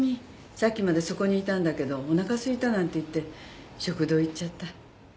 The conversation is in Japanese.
さっきまでそこにいたんだけどおなかすいたなんて言って食堂行っちゃった。